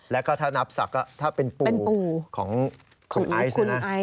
แล้วก็ถ้านับศักดิ์ถ้าเป็นปูของคุณไอซ์เนี่ยนะ